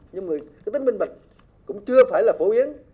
nhưng người tính minh bạch cũng chưa phải là phổ biến